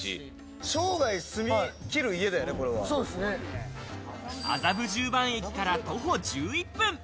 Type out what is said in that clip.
生涯住みきる家だよね、麻布十番駅から徒歩１１分。